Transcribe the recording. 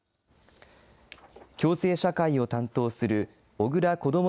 共生社会を担当する小倉こども